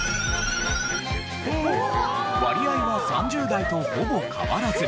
割合は３０代とほぼ変わらず。